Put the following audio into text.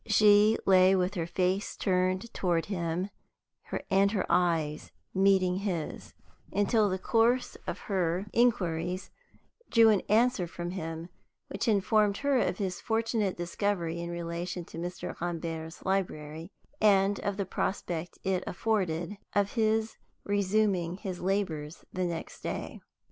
She lay with her face turned toward him and her eyes meeting his, until the course of her inquiries drew an answer from him, which informed her of his fortunate discovery in relation to Mr. Rambert's library, and of the prospect it afforded of his resuming his labors the next day.